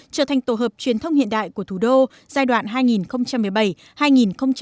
trở thành tổ hợp truyền thông hiện đại của thủ đô giai đoạn hai nghìn một mươi bảy hai nghìn hai mươi tầm nhìn hai nghìn ba mươi